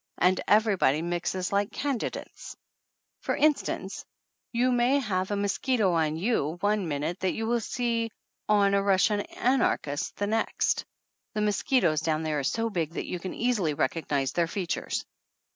And everybody mixes like candidates ! For instance, you may have a mos quito on you one minute that you will see on a Russian anarchist the next. The mosquitoes down there are so big that you can easily recog nize their features.